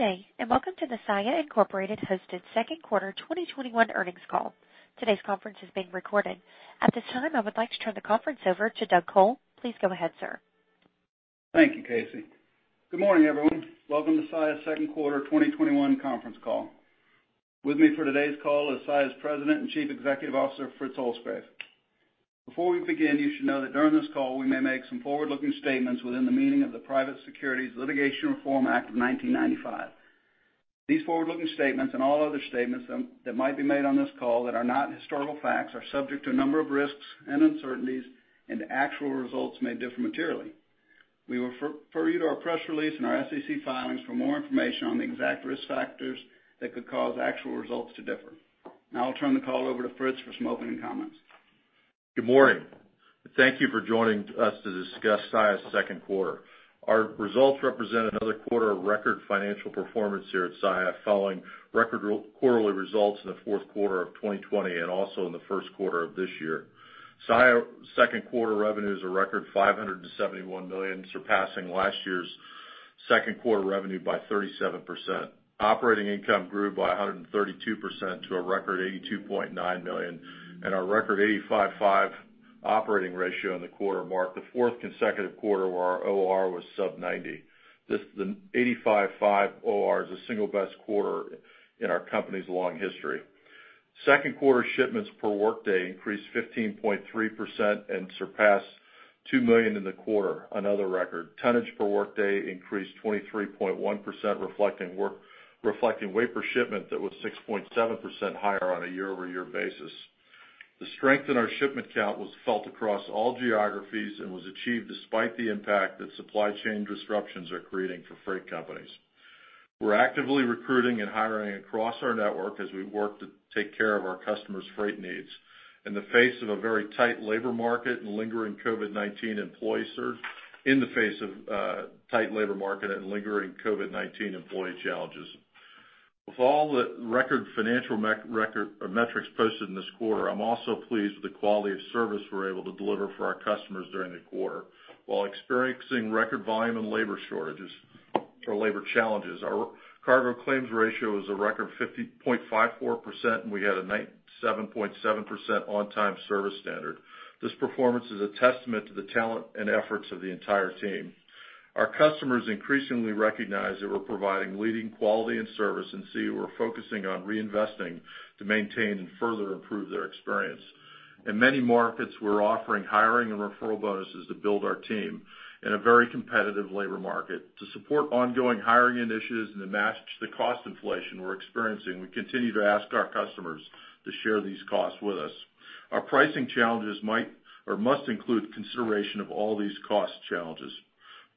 Good day, and welcome to the Saia, Inc. hosted second quarter 2021 earnings call. Today's conference is being recorded. At this time, I would like to turn the conference over to Douglas Col. Please go ahead, sir. Thank you, Casey. Good morning, everyone. Welcome to Saia's second quarter 2021 conference call. With me for today's call is Saia's President and Chief Executive Officer, Fritz Holzgrefe. Before we begin, you should know that during this call, we may make some forward-looking statements within the meaning of the Private Securities Litigation Reform Act of 1995. These forward-looking statements, and all other statements that might be made on this call that are not historical facts, are subject to a number of risks and uncertainties, and actual results may differ materially. We refer you to our press release and our SEC filings for more information on the exact risk factors that could cause actual results to differ. I'll turn the call over to Fritz for some opening comments. Good morning, and thank you for joining us to discuss Saia's second quarter. Our results represent another quarter of record financial performance here at Saia, following record quarterly results in the fourth quarter of 2020, and also in the first quarter of this year. Saia second quarter revenue is a record $571 million, surpassing last year's second quarter revenue by 37%. Operating income grew by 132% to a record $82.9 million, and our record 85.5 operating ratio in the quarter marked the fourth consecutive quarter where our OR was sub 90. This 85.5 OR is the single best quarter in our company's long history. Second quarter shipments per workday increased 15.3% and surpassed 2 million in the quarter. Another record. Tonnage per workday increased 23.1%, reflecting weight per shipment that was 6.7% higher on a year-over-year basis. The strength in our shipment count was felt across all geographies and was achieved despite the impact that supply chain disruptions are creating for freight companies. We're actively recruiting and hiring across our network as we work to take care of our customers' freight needs. In the face of a very tight labor market and lingering COVID-19 employee challenges. With all the record financial metrics posted in this quarter, I'm also pleased with the quality of service we're able to deliver for our customers during the quarter. While experiencing record volume and labor shortages or labor challenges, our cargo claims ratio is a record 50.54%, and we had a 97.7% on-time service standard. This performance is a testament to the talent and efforts of the entire team. Our customers increasingly recognize that we're providing leading quality and service and see we're focusing on reinvesting to maintain and further improve their experience. In many markets, we're offering hiring and referral bonuses to build our team in a very competitive labor market. To support ongoing hiring initiatives and to match the cost inflation we're experiencing, we continue to ask our customers to share these costs with us. Our pricing challenges must include consideration of all these cost challenges.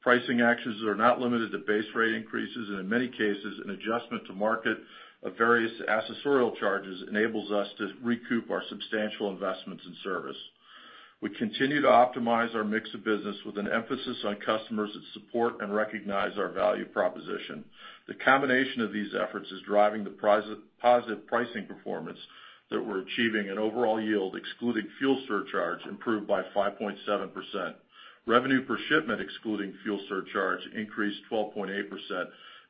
Pricing actions are not limited to base rate increases, and in many cases, an adjustment to market of various accessorial charges enables us to recoup our substantial investments in service. We continue to optimize our mix of business with an emphasis on customers that support and recognize our value proposition. The combination of these efforts is driving the positive pricing performance that we're achieving, and overall yield, excluding fuel surcharge, improved by 5.7%. Revenue per shipment, excluding fuel surcharge, increased 12.8%,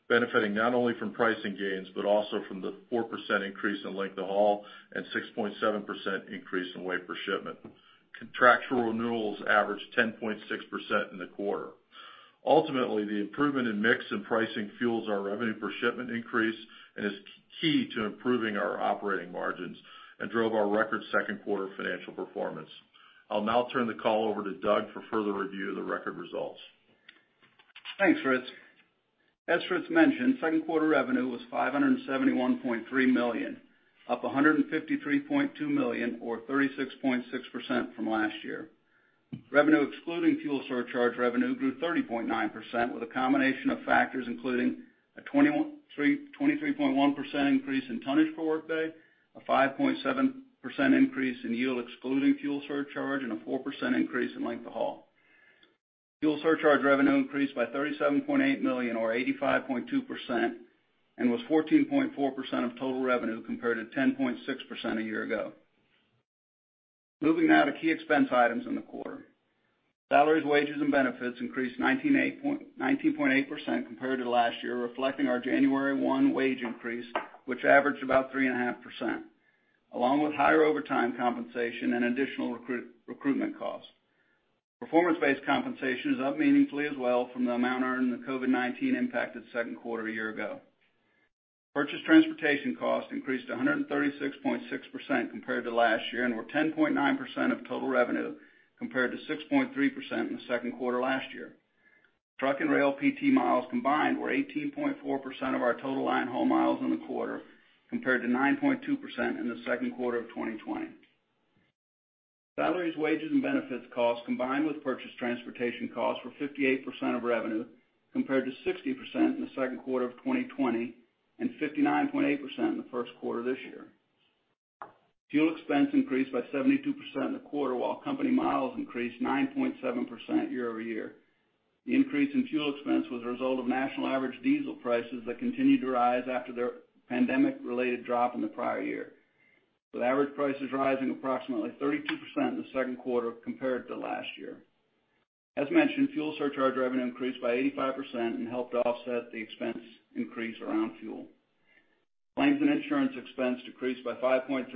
benefiting not only from pricing gains but also from the 4% increase in length of haul and 6.7% increase in weight per shipment. Contractual renewals averaged 10.6% in the quarter. Ultimately, the improvement in mix and pricing fuels our revenue per shipment increase and is key to improving our operating margins and drove our record second quarter financial performance. I'll now turn the call over to Doug for further review of the record results. Thanks, Fritz. As Fritz mentioned, second quarter revenue was $571.3 million, up $153.2 million or 36.6% from last year. Revenue excluding fuel surcharge revenue grew 30.9%, with a combination of factors including a 23.1% increase in tonnage per workday, a 5.7% increase in yield excluding fuel surcharge, and a 4% increase in length of haul. Fuel surcharge revenue increased by $37.8 million or 85.2% and was 14.4% of total revenue, compared to 10.6% a year ago. Moving now to key expense items in the quarter. Salaries, wages, and benefits increased 19.8% compared to last year, reflecting our January 1 wage increase, which averaged about 3.5%, along with higher overtime compensation and additional recruitment costs. Performance-based compensation is up meaningfully as well from the amount earned in the COVID-19 impacted second quarter a year ago. Purchased transportation costs increased 136.6% compared to last year and were 10.9% of total revenue, compared to 6.3% in the second quarter last year. Truck and rail PT miles combined were 18.4% of our total line haul miles in the quarter, compared to 9.2% in the second quarter of 2020. Salaries, wages, and benefits costs combined with purchase transportation costs were 58% of revenue, compared to 60% in the second quarter of 2020 and 59.8% in the first quarter of this year. Fuel expense increased by 72% in the quarter, while company miles increased 9.7% year-over-year. The increase in fuel expense was a result of national average diesel prices that continued to rise after their pandemic-related drop in the prior year, with average prices rising approximately 32% in the second quarter compared to last year. As mentioned, fuel surcharge revenue increased by 85% and helped offset the expense increase around fuel. Claims and insurance expense decreased by 5.3%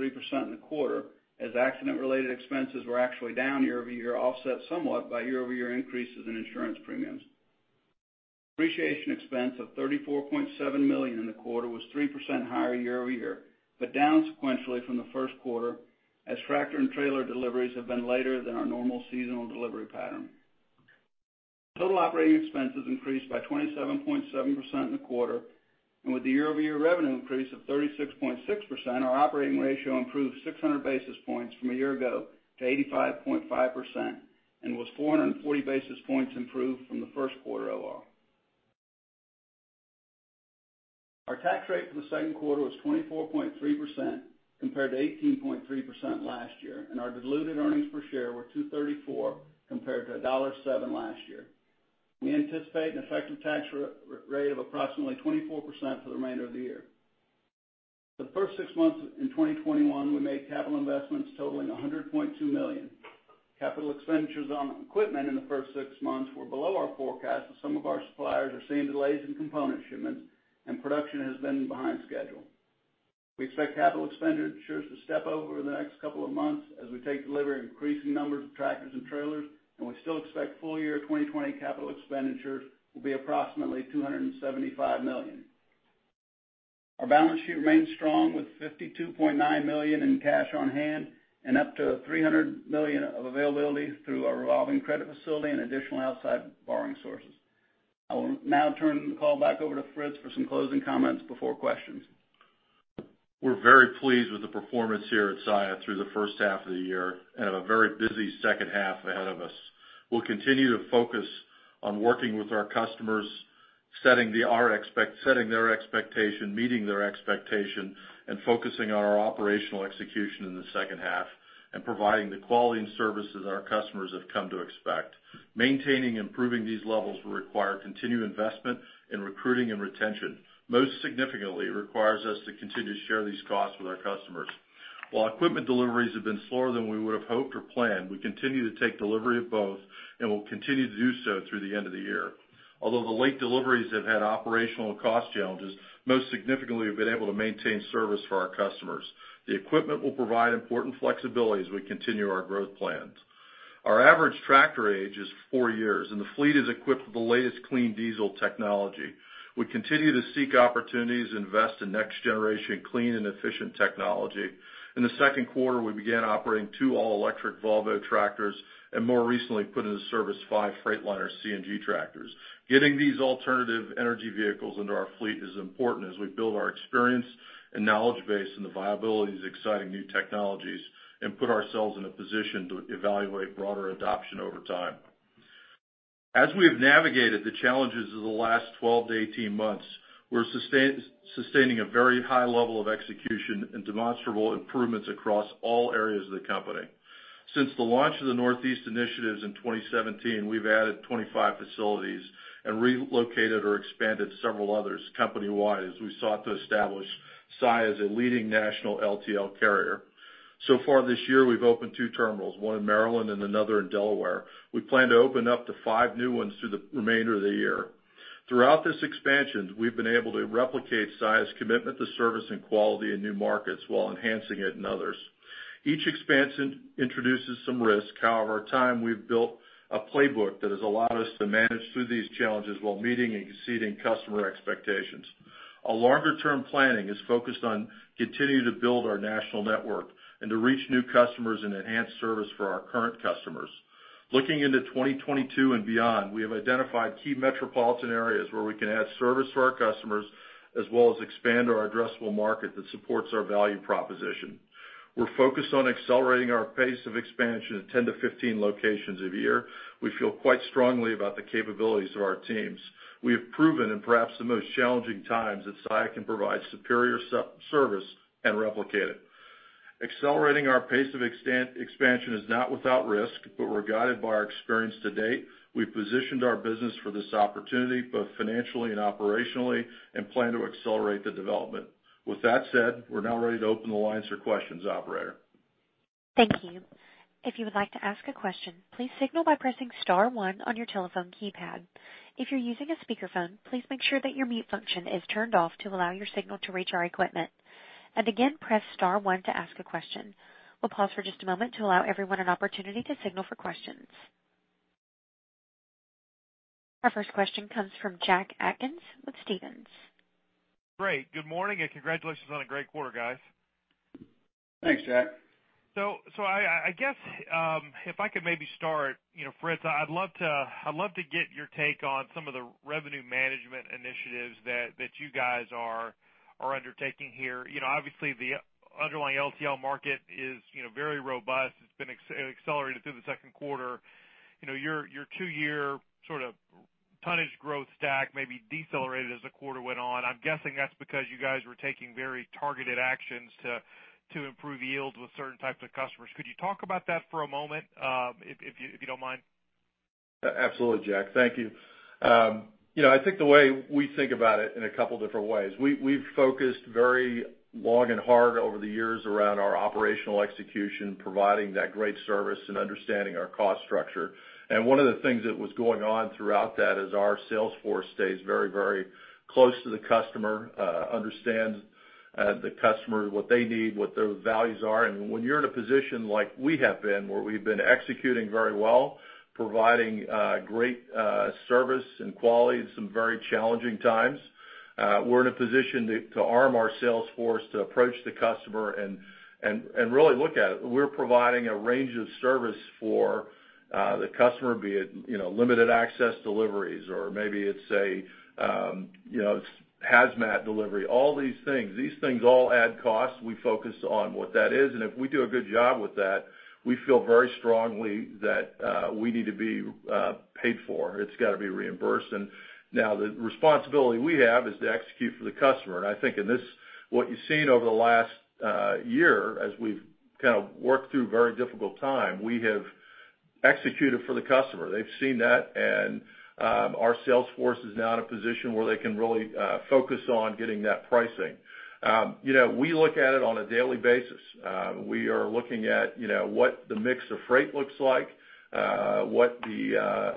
in the quarter, as accident-related expenses were actually down year-over-year, offset somewhat by year-over-year increases in insurance premiums. Depreciation expense of $34.7 million in the quarter was 3% higher year-over-year, but down sequentially from the first quarter, as tractor and trailer deliveries have been later than our normal seasonal delivery pattern. Total operating expenses increased by 27.7% in the quarter, and with the year-over-year revenue increase of 36.6%, our operating ratio improved 600 basis points from a year ago to 85.5% and was 440 basis points improved from the first quarter OR. Our tax rate for the second quarter was 24.3% compared to 18.3% last year, and our diluted earnings per share were $2.34 compared to $1.07 last year. We anticipate an effective tax rate of approximately 24% for the remainder of the year. For the first six months in 2021, we made capital investments totaling $100.2 million. Capital expenditures on equipment in the first six months were below our forecast, as some of our suppliers are seeing delays in component shipments and production has been behind schedule. We expect capital expenditures to step over the next couple of months as we take delivery of increasing numbers of tractors and trailers, and we still expect full-year 2020 capital expenditures will be approximately $275 million. Our balance sheet remains strong with $52.9 million in cash on hand and up to $300 million of availability through our revolving credit facility and additional outside borrowing sources. I will now turn the call back over to Fritz for some closing comments before questions. We're very pleased with the performance here at Saia through the first half of the year and have a very busy second half ahead of us. We'll continue to focus on working with our customers, setting their expectation, meeting their expectation, and focusing on our operational execution in the second half and providing the quality and services our customers have come to expect. Maintaining and improving these levels will require continued investment in recruiting and retention. Most significantly, it requires us to continue to share these costs with our customers. While equipment deliveries have been slower than we would have hoped or planned, we continue to take delivery of both and will continue to do so through the end of the year. Although the late deliveries have had operational cost challenges, most significantly, we've been able to maintain service for our customers. The equipment will provide important flexibility as we continue our growth plans. Our average tractor age is four years, and the fleet is equipped with the latest clean diesel technology. We continue to seek opportunities to invest in next-generation clean and efficient technology. In the second quarter, we began operating two all-electric Volvo tractors and more recently put into service five Freightliner CNG tractors. Getting these alternative energy vehicles into our fleet is important as we build our experience and knowledge base in the viability of these exciting new technologies and put ourselves in a position to evaluate broader adoption over time. As we have navigated the challenges of the last 12-18 months, we're sustaining a very high level of execution and demonstrable improvements across all areas of the company. Since the launch of the Northeast initiatives in 2017, we've added 25 facilities and relocated or expanded several others company-wide as we sought to establish Saia as a leading national LTL carrier. Far this year, we've opened two terminals, one in Maryland and another in Delaware. We plan to open up to five new ones through the remainder of the year. Throughout this expansion, we've been able to replicate Saia's commitment to service and quality in new markets while enhancing it in others. Each expansion introduces some risk. However, over time, we've built a playbook that has allowed us to manage through these challenges while meeting and exceeding customer expectations. Our longer-term planning is focused on continuing to build our national network and to reach new customers and enhance service for our current customers. Looking into 2022 and beyond, we have identified key metropolitan areas where we can add service for our customers, as well as expand our addressable market that supports our value proposition. We're focused on accelerating our pace of expansion to 10-15 locations a year. We feel quite strongly about the capabilities of our teams. We have proven in perhaps the most challenging times that Saia can provide superior service and replicate it. Accelerating our pace of expansion is not without risk, but we're guided by our experience to date. We've positioned our business for this opportunity, both financially and operationally, and plan to accelerate the development. With that said, we're now ready to open the line for questions, operator. Thank you. If you would like to ask a question, please signal by pressing star one on your telephone keypad. If you're using a speakerphone, please make sure that your mute function is turned off to allow your signal to reach our equipment. Again, press star one to ask a question. We'll pause for just a moment to allow everyone an opportunity to signal for questions. Our first question comes from Jack Atkins with Stephens. Great. Good morning, and congratulations on a great quarter, guys. Thanks, Jack. I guess, if I could maybe start, Fritz, I'd love to get your take on some of the revenue management initiatives that you guys are undertaking here. Obviously, the underlying LTL market is very robust. It's been accelerated through the second quarter. Your two-year tonnage growth stack maybe decelerated as the quarter went on. I'm guessing that's because you guys were taking very targeted actions to improve yields with certain types of customers. Could you talk about that for a moment, if you don't mind? Absolutely, Jack. Thank you. I think the way we think about it in a couple different ways. We've focused very long and hard over the years around our operational execution, providing that great service and understanding our cost structure. One of the things that was going on throughout that is our sales force stays very close to the customer, understands the customer, what they need, what their values are. When you're in a position like we have been, where we've been executing very well, providing great service and quality in some very challenging times, we're in a position to arm our sales force to approach the customer and really look at it. We're providing a range of service for the customer, be it limited access deliveries, or maybe it's a hazmat delivery, all these things. These things all add cost. We focus on what that is. If we do a good job with that, we feel very strongly that we need to be paid for. It's got to be reimbursed. Now the responsibility we have is to execute for the customer. I think what you've seen over the last year, as we've worked through very difficult time, we have executed for the customer. They've seen that. Our sales force is now in a position where they can really focus on getting that pricing. We look at it on a daily basis. We are looking at what the mix of freight looks like, what the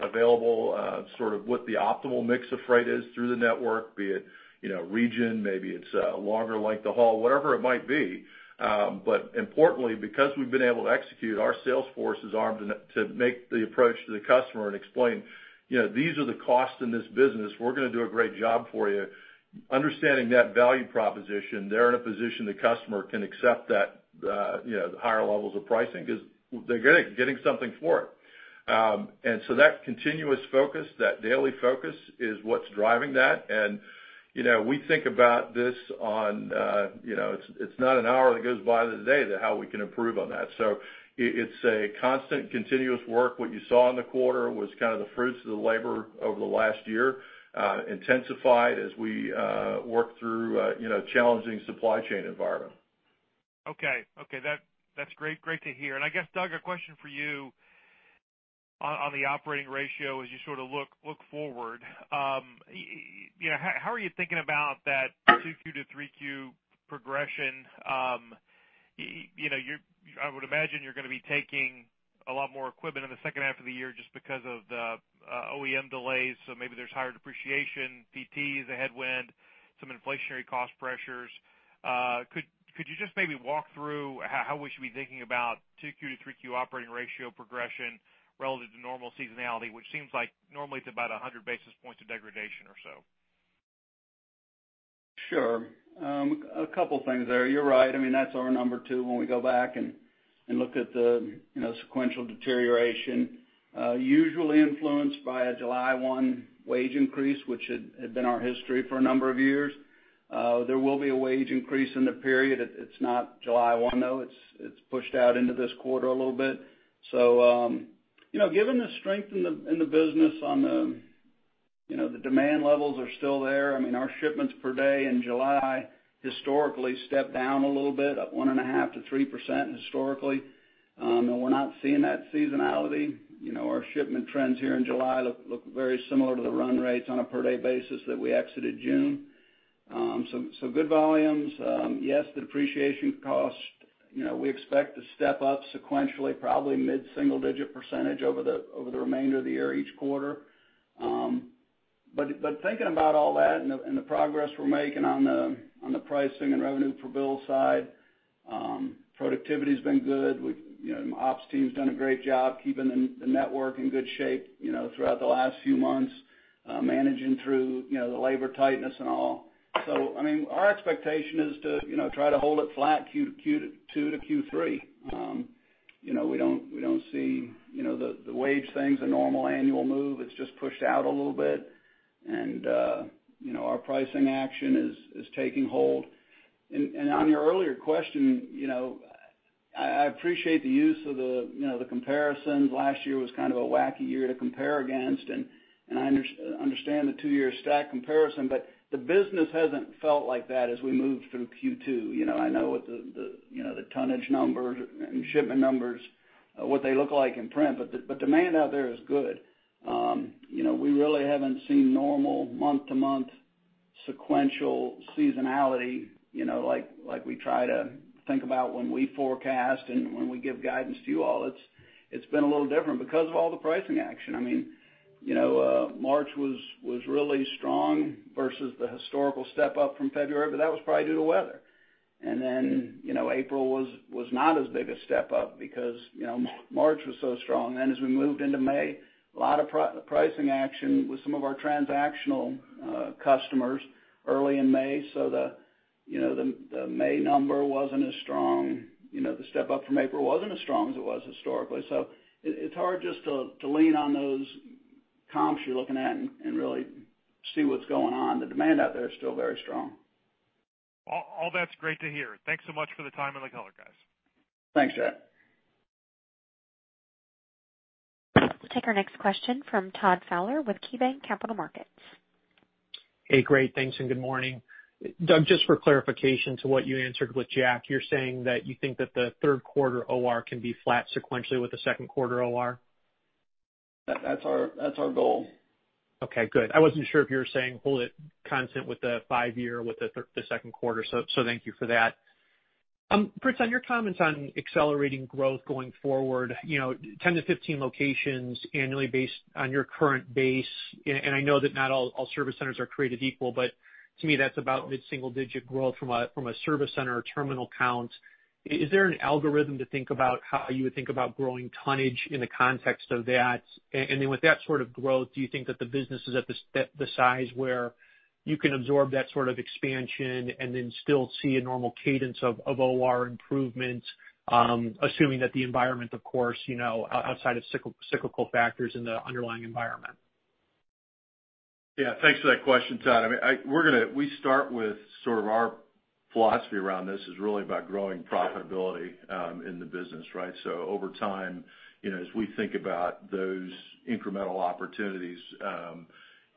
optimal mix of freight is through the network, be it region, maybe it's a longer length of haul, whatever it might be. Importantly, because we've been able to execute, our sales force is armed to make the approach to the customer and explain, These are the costs in this business. We're going to do a great job for you. Understanding that value proposition, they're in a position the customer can accept that the higher levels of pricing because they're getting something for it. That continuous focus, that daily focus, is what's driving that. We think about this it's not an hour that goes by in the day that how we can improve on that. It's a constant, continuous work. What you saw in the quarter was the fruits of the labor over the last year, intensified as we work through a challenging supply chain environment. Okay. That's great to hear. I guess, Doug, a question for you on the operating ratio, as you look forward. How are you thinking about that Q2 to Q3 progression? I would imagine you're going to be taking a lot more equipment in the second half of the year just because of the OEM delays, so maybe there's higher depreciation. PT is a headwind, some inflationary cost pressures. Could you just maybe walk through how we should be thinking about Q2 to Q3 operating ratio progression relative to normal seasonality, which seems like normally it's about 100 basis points of degradation or so. Sure. A couple things there. You're right. That's our number too, when we go back and look at the sequential deterioration, usually influenced by a July 1 wage increase, which had been our history for a number of years. There will be a wage increase in the period. It's not July 1, though. It's pushed out into this quarter a little bit. Given the strength in the business on the demand levels are still there. Our shipments per day in July historically step down a little bit, up 1.5% to 3% historically. We're not seeing that seasonality. Our shipment trends here in July look very similar to the run rates on a per day basis that we exited June. Good volumes. Yes, the depreciation cost, we expect to step up sequentially, probably mid-single digit percentage over the remainder of the year each quarter. Thinking about all that and the progress we're making on the pricing and revenue per bill side, productivity's been good. Ops team's done a great job keeping the network in good shape throughout the last few months, managing through the labor tightness and all. Our expectation is to try to hold it flat Q2 to Q3. We don't see the wage thing is a normal annual move. It's just pushed out a little bit, and our pricing action is taking hold. On your earlier question, I appreciate the use of the comparisons. Last year was kind of a wacky year to compare against, and I understand the two-year stack comparison, but the business hasn't felt like that as we moved through Q2. I know what the tonnage numbers and shipment numbers, what they look like in print, but demand out there is good. We really haven't seen normal month-to-month sequential seasonality like we try to think about when we forecast and when we give guidance to you all. It's been a little different because of all the pricing action. March was really strong versus the historical step up from February, that was probably due to weather. April was not as big a step up because March was so strong. As we moved into May, a lot of pricing action with some of our transactional customers early in May, the May number wasn't as strong. The step up from April wasn't as strong as it was historically. It's hard just to lean on those comps you're looking at and really see what's going on. The demand out there is still very strong. All that's great to hear. Thanks so much for the time and the color, guys. Thanks, Jack. We'll take our next question from Todd Fowler with KeyBanc Capital Markets. Hey, great. Thanks and good morning. Doug, just for clarification to what you answered with Jack, you're saying that you think that the third quarter OR can be flat sequentially with the second quarter OR? That's our goal. Okay, good. I wasn't sure if you were saying hold it constant with the five-year, with the second quarter. Thank you for that. Fritz, on your comments on accelerating growth going forward, 10-15 locations annually based on your current base, and I know that not all service centers are created equal, but to me, that's about mid-single digit growth from a service center terminal count. Is there an algorithm to think about how you would think about growing tonnage in the context of that? Then with that sort of growth, do you think that the business is at the size where you can absorb that sort of expansion and then still see a normal cadence of OR improvements, assuming that the environment, of course, outside of cyclical factors in the underlying environment? Yeah. Thanks for that question, Todd. We start with our philosophy around this is really about growing profitability in the business. Over time, as we think about those incremental opportunities,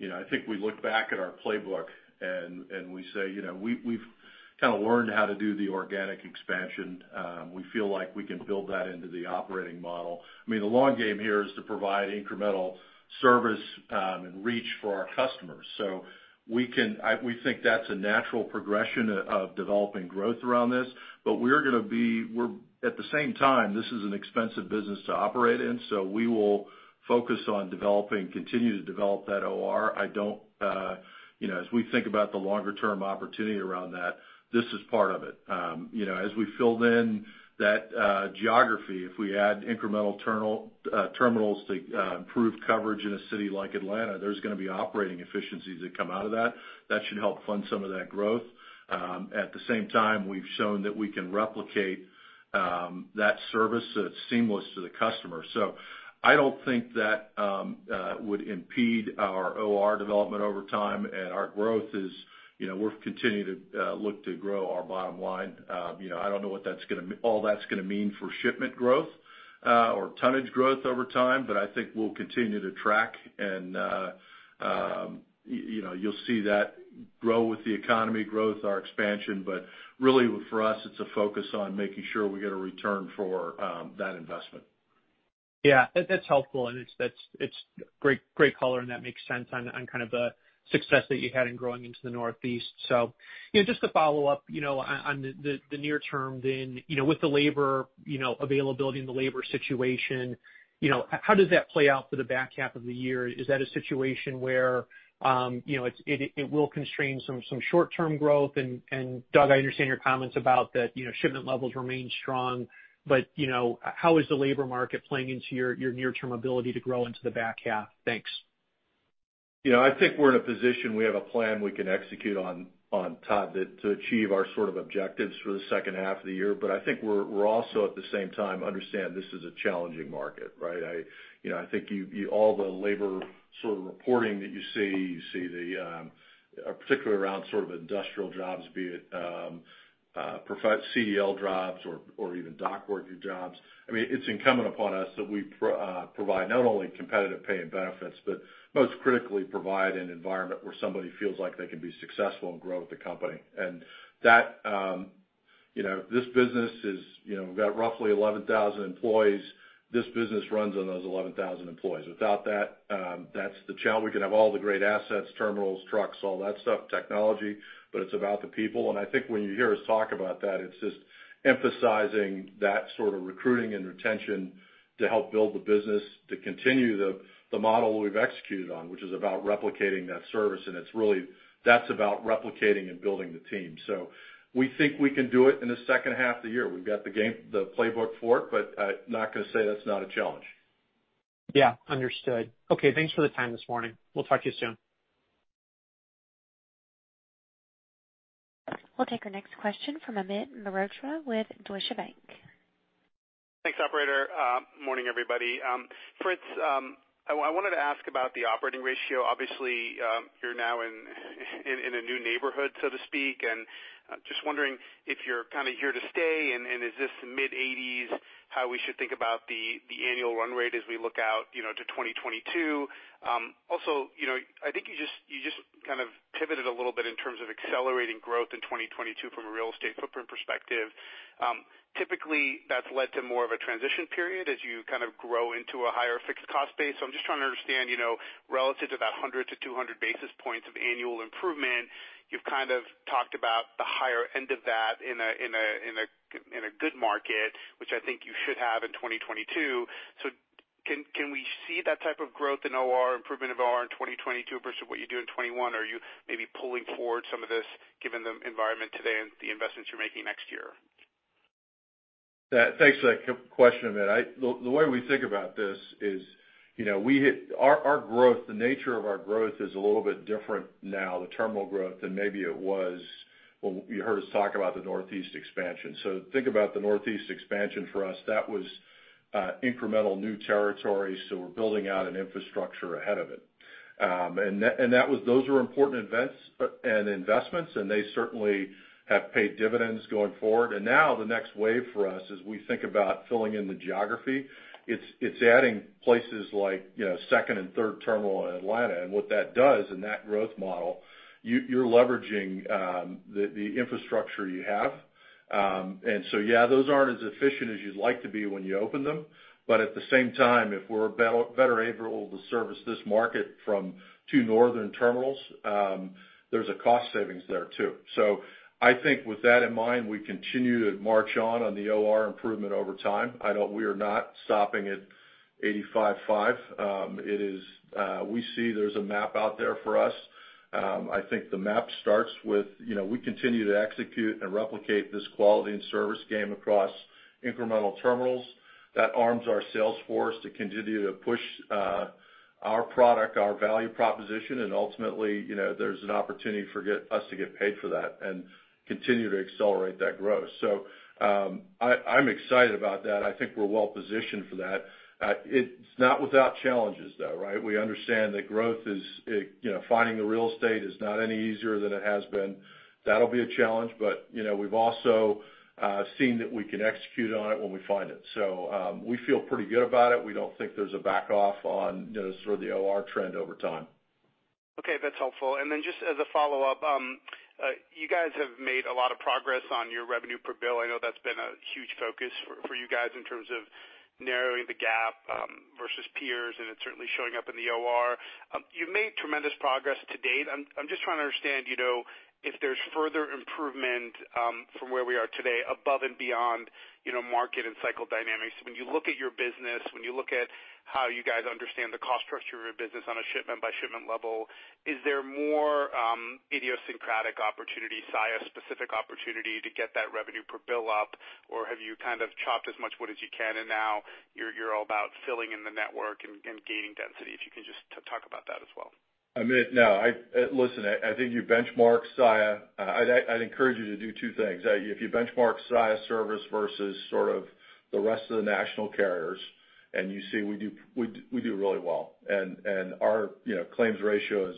I think we look back at our playbook and we say we've kind of learned how to do the organic expansion. We feel like we can build that into the operating model. The long game here is to provide incremental service and reach for our customers. We think that's a natural progression of developing growth around this. At the same time, this is an expensive business to operate in, so we will focus on developing, continue to develop that OR. As we think about the longer-term opportunity around that, this is part of it. As we filled in that geography, if we add incremental terminals to improve coverage in a city like Atlanta, there's going to be operating efficiencies that come out of that. That should help fund some of that growth. At the same time, we've shown that we can replicate that service so it's seamless to the customer. I don't think that would impede our OR development over time, and our growth is we continue to look to grow our bottom line. I don't know what all that's going to mean for shipment growth or tonnage growth over time, but I think we'll continue to track and you'll see that grow with the economy growth, our expansion. Really for us, it's a focus on making sure we get a return for that investment. Yeah. That's helpful, and it's great color, and that makes sense on kind of the success that you had in growing into the Northeast. Just to follow up on the near term then, with the labor availability and the labor situation, how does that play out for the back half of the year? Is that a situation where it will constrain some short-term growth? Doug, I understand your comments about that shipment levels remain strong, but how is the labor market playing into your near-term ability to grow into the back half? Thanks. I think we're in a position, we have a plan we can execute on, Todd, to achieve our sort of objectives for the second half of the year. I think we're also at the same time understand this is a challenging market. I think all the labor sort of reporting that you see, particularly around sort of industrial jobs, be it CDL jobs or even dock worker jobs. It's incumbent upon us that we provide not only competitive pay and benefits, but most critically provide an environment where somebody feels like they can be successful and grow with the company. This business, we've got roughly 11,000 employees. This business runs on those 11,000 employees. Without that's the challenge. We can have all the great assets, terminals, trucks, all that stuff, technology, but it's about the people. I think when you hear us talk about that, it's just emphasizing that sort of recruiting and retention to help build the business to continue the model we've executed on, which is about replicating that service, and that's about replicating and building the team. We think we can do it in the second half of the year. We've got the playbook for it, but not going to say that's not a challenge. Yeah. Understood. Okay. Thanks for the time this morning. We'll talk to you soon. We'll take our next question from Amit Mehrotra with Deutsche Bank. Thanks, operator. Morning, everybody. Fritz, I wanted to ask about the operating ratio. Obviously, you're now in a new neighborhood, so to speak, and just wondering if you're kind of here to stay and is this mid-80s how we should think about the annual run rate as we look out to 2022? I think you just kind of pivoted a little bit in terms of accelerating growth in 2022 from a real estate footprint perspective. Typically, that's led to more of a transition period as you kind of grow into a higher fixed cost base. I'm just trying to understand, relative to that 100 to 200 basis points of annual improvement, you've kind of talked about the higher end of that in a good market, which I think you should have in 2022. Can we see that type of growth in OR, improvement of OR in 2022 versus what you do in 2021? Are you maybe pulling forward some of this given the environment today and the investments you're making next year? Thanks for that question, Amit. The way we think about this is the nature of our growth is a little bit different now, the terminal growth. Well, you heard us talk about the Northeast expansion. Think about the Northeast expansion for us, that was incremental new territory, so we're building out an infrastructure ahead of it. Those were important events and investments, and they certainly have paid dividends going forward. Now the next wave for us as we think about filling in the geography, it's adding places like second and third terminal in Atlanta. What that does in that growth model, you're leveraging the infrastructure you have. Those aren't as efficient as you'd like to be when you open them, but at the same time, if we're better able to service this market from two northern terminals, there's a cost savings there, too. I think with that in mind, we continue to march on the OR improvement over time. We are not stopping at 85.5. We see there's a map out there for us. I think the map starts with, we continue to execute and replicate this quality and service game across incremental terminals. That arms our sales force to continue to push our product, our value proposition, and ultimately, there's an opportunity for us to get paid for that and continue to accelerate that growth. I'm excited about that. I think we're well-positioned for that. It's not without challenges, though, right? We understand that finding the real estate is not any easier than it has been. That'll be a challenge, we've also seen that we can execute on it when we find it. We feel pretty good about it. We don't think there's a back off on the OR trend over time. Okay. That's helpful. Just as a follow-up, you guys have made a lot of progress on your revenue per bill. I know that's been a huge focus for you guys in terms of narrowing the gap versus peers, and it's certainly showing up in the OR. You've made tremendous progress to date. I'm just trying to understand if there's further improvement from where we are today above and beyond market and cycle dynamics. When you look at your business, when you look at how you guys understand the cost structure of your business on a shipment by shipment level, is there more idiosyncratic opportunity, Saia specific opportunity to get that revenue per bill up, or have you chopped as much wood as you can and now you're all about filling in the network and gaining density? If you can just talk about that as well. Amit, no. Listen, I think you benchmark Saia. I'd encourage you to do two things. If you benchmark Saia service versus the rest of the national carriers, and you see we do really well. Our claims ratio is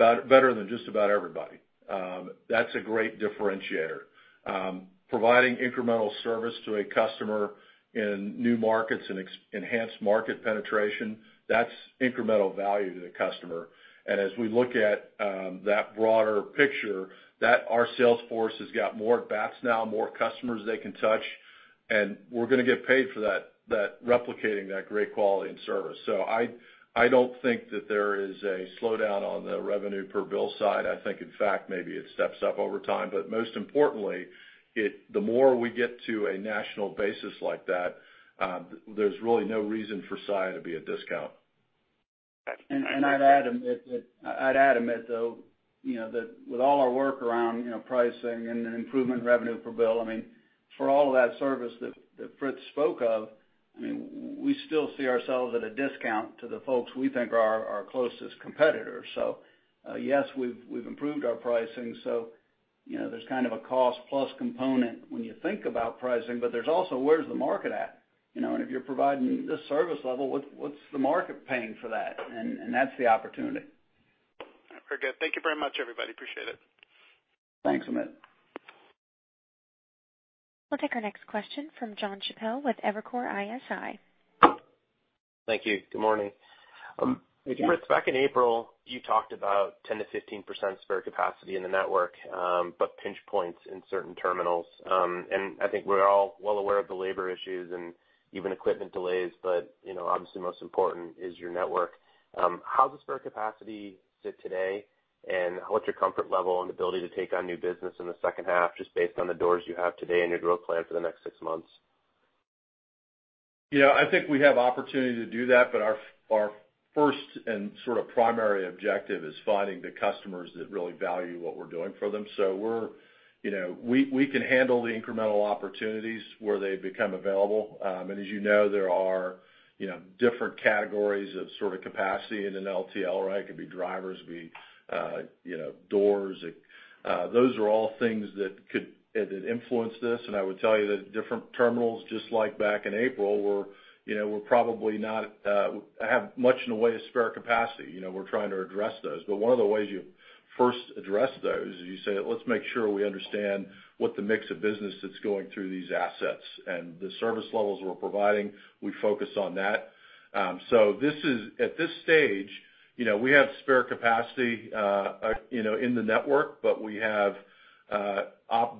better than just about everybody. That's a great differentiator. Providing incremental service to a customer in new markets and enhanced market penetration, that's incremental value to the customer. As we look at that broader picture, our sales force has got more bats now, more customers they can touch, and we're going to get paid for replicating that great quality and service. I don't think that there is a slowdown on the revenue per bill side. I think, in fact, maybe it steps up over time. Most importantly, the more we get to a national basis like that, there's really no reason for Saia to be at discount. I'd add, Amit, though, that with all our work around pricing and improvement revenue per bill, I mean, for all of that service that Fritz spoke of, we still see ourselves at a discount to the folks we think are our closest competitors. Yes, we've improved our pricing, so there's kind of a cost-plus component when you think about pricing, but there's also, where's the market at? If you're providing this service level, what's the market paying for that? That's the opportunity. Very good. Thank you very much, everybody. Appreciate it. Thanks, Amit. We'll take our next question from Jon Chappell with Evercore ISI. Thank you. Good morning. Yeah. Fritz, back in April, you talked about 10%-15% spare capacity in the network, but pinch points in certain terminals. I think we're all well aware of the labor issues and even equipment delays, obviously most important is your network. How does spare capacity sit today, what's your comfort level and ability to take on new business in the second half just based on the doors you have today and your growth plan for the next six months? I think we have opportunity to do that. Our first and primary objective is finding the customers that really value what we're doing for them. We can handle the incremental opportunities where they become available. As you know, there are different categories of capacity in an LTL, right? It could be drivers, could be doors. Those are all things that influence this. I would tell you that different terminals, just like back in April, have much in the way of spare capacity. We're trying to address those. One of the ways you first address those is you say, let's make sure we understand what the mix of business that's going through these assets and the service levels we're providing. We focus on that. At this stage, we have spare capacity in the network, but we have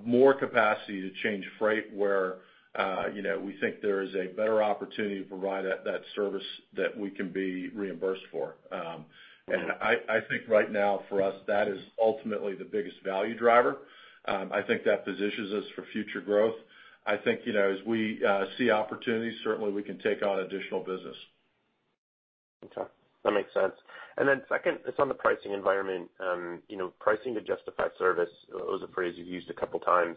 more capacity to change freight where we think there is a better opportunity to provide that service that we can be reimbursed for. I think right now for us, that is ultimately the biggest value driver. I think that positions us for future growth. I think as we see opportunities, certainly we can take on additional business. Okay. That makes sense. Then second, it's on the pricing environment. Pricing to justify service was a phrase you've used a couple times.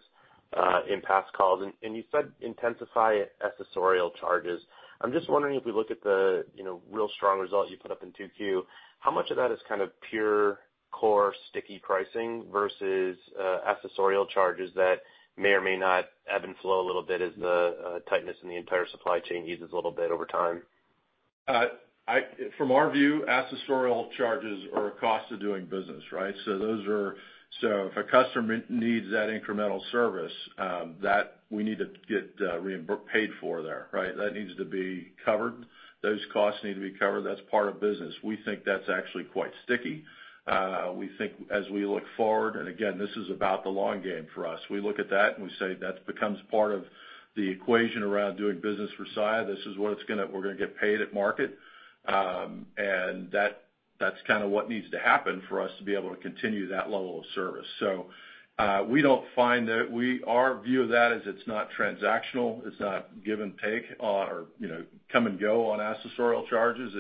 In past calls, you said intensify accessorial charges. I'm just wondering if we look at the real strong result you put up in 2Q, how much of that is kind of pure core sticky pricing versus accessorial charges that may or may not ebb and flow a little bit as the tightness in the entire supply chain eases a little bit over time? From our view, accessorial charges are a cost of doing business, right? If a customer needs that incremental service, we need to get paid for there, right? That needs to be covered. Those costs need to be covered. That's part of business. We think that's actually quite sticky. We think as we look forward, and again, this is about the long game for us. We look at that and we say that becomes part of the equation around doing business for Saia. This is what we're going to get paid at market. That's kind of what needs to happen for us to be able to continue that level of service. Our view of that is it's not transactional. It's not give and take or come and go on accessorial charges.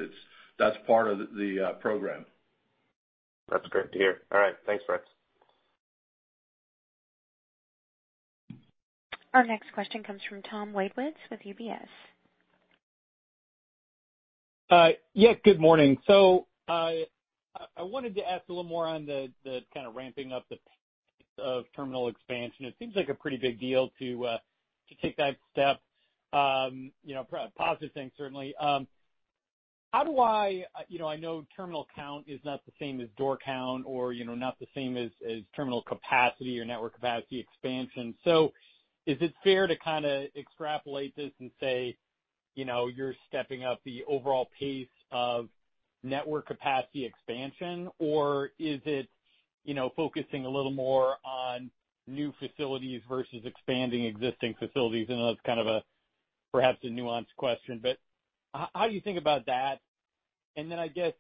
That's part of the program. That's great to hear. All right. Thanks, Fritz. Our next question comes from Tom Wadewitz with UBS. Yeah, good morning. I wanted to ask a little more on the kind of ramping up the pace of terminal expansion. It seems like a pretty big deal to take that step. Positive thing, certainly. I know terminal count is not the same as door count or not the same as terminal capacity or network capacity expansion. Is it fair to kind of extrapolate this and say you're stepping up the overall pace of network capacity expansion, or is it focusing a little more on new facilities versus expanding existing facilities? I know that's kind of perhaps a nuanced question, but how do you think about that? I guess,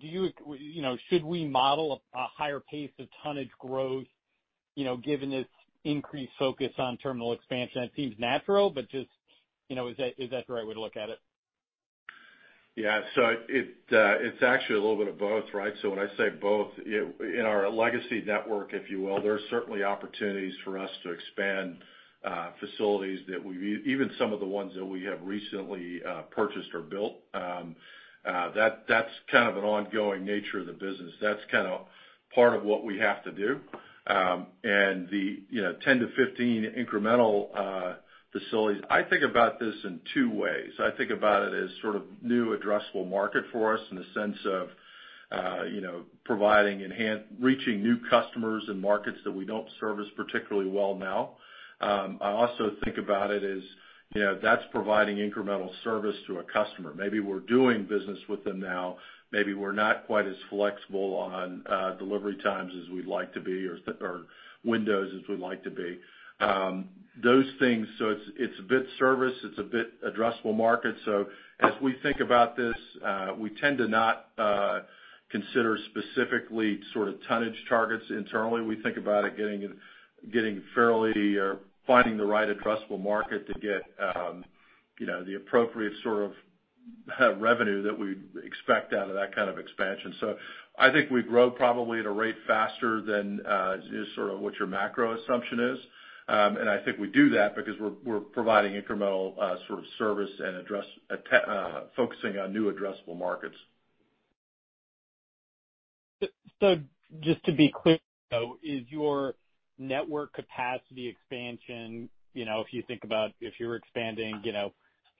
should we model a higher pace of tonnage growth given this increased focus on terminal expansion? It seems natural, but just is that the right way to look at it? Yeah. It's actually a little bit of both, right? When I say both, in our legacy network if you will, there are certainly opportunities for us to expand facilities that even some of the ones that we have recently purchased or built. That's kind of an ongoing nature of the business. That's kind of part of what we have to do. The 10 to 15 incremental facilities. I think about this in two ways. I think about it as sort of new addressable market for us in the sense of reaching new customers and markets that we don't service particularly well now. I also think about it as that's providing incremental service to a customer. Maybe we're doing business with them now, maybe we're not quite as flexible on delivery times as we'd like to be, or windows as we'd like to be. Those things. It's a bit service, it's a bit addressable market. As we think about this, we tend to not consider specifically sort of tonnage targets internally. We think about it getting fairly or finding the right addressable market to get the appropriate sort of revenue that we expect out of that kind of expansion. I think we grow probably at a rate faster than just sort of what your macro assumption is. I think we do that because we're providing incremental sort of service and focusing on new addressable markets. Just to be clear though, is your network capacity expansion if you think about if you were expanding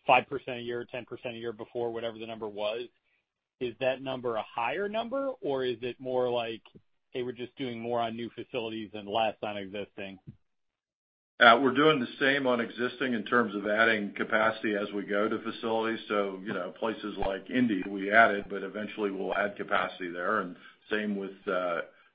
5% a year or 10% a year before, whatever the number was, is that number a higher number, or is it more like, hey, we're just doing more on new facilities and less on existing? We're doing the same on existing in terms of adding capacity as we go to facilities. Places like Indy we added, but eventually we'll add capacity there, and same with